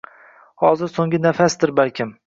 Hozir soʻnggi nafasdir balkim.